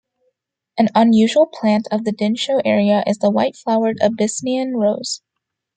An unusual plant of the Dinsho area is the white-flowered Abyssinian rose.